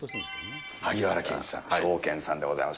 萩原健一さん、ショーケンさんでございます。